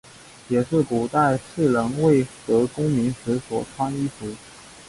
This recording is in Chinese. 也是古代士人未得功名时所穿衣服。